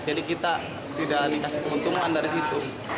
jadi kita tidak dikasih keuntungan dari situ